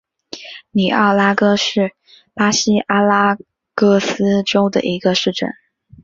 里奥拉戈是巴西阿拉戈斯州的一个市镇。